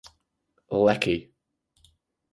Lecky.